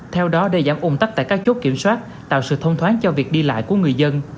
theo đó để giảm ủng tắc tại các chốt kiểm soát tạo sự thông thoáng cho việc đi lại của người dân